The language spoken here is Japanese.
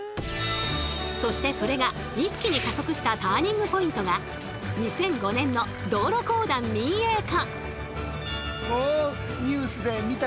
そしてそれが一気に加速したターニングポイントが２００５年の道路公団民営化。